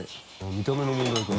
見た目の問題か。